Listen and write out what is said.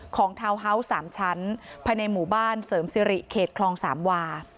ทาวน์ฮาส์๓ชั้นภายในหมู่บ้านเสริมสิริเขตคลองสามวา